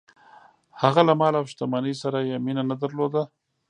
هغه له مال او شتمنۍ سره یې مینه نه درلوده.